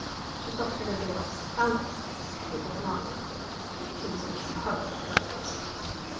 She felt for the door, found it it was locked. She was in perfect darkness.